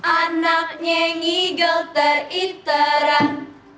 anaknya ngigel teriteran